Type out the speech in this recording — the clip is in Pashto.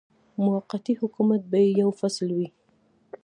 موقتي حکومت به یې یو فصل وي.